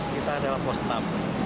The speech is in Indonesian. kita adalah pos depan